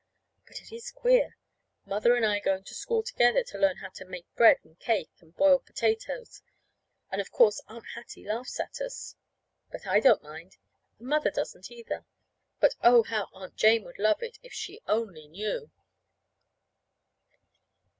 But it is queer Mother and I going to school together to learn how to make bread and cake and boil potatoes! And, of course, Aunt Hattie laughs at us. But I don't mind. And Mother doesn't, either. But, oh, how Aunt Jane would love it, if she only knew!